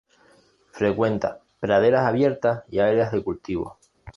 Frecuenta praderas abiertas y áreas de cultivo.